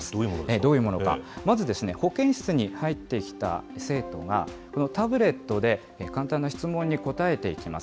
どういうものか、まず、保健室に入ってきた生徒が、そのタブレットで簡単な質問に答えていきます。